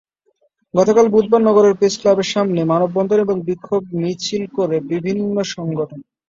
গতকাল বুধবার নগরের প্রেসক্লাবের সামনে মানববন্ধন এবং বিক্ষোভ মিছিল করে বিভিন্ন সংগঠন।